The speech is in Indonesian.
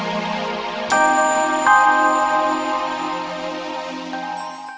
biasa jadi dari sulit